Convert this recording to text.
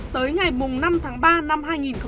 tới ngày năm tháng ba năm hai nghìn hai mươi